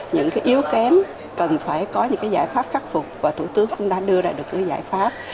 những yếu kém cần phải có những giải pháp khắc phục và thủ tướng cũng đã đưa ra được giải pháp